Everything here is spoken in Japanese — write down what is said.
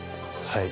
はい。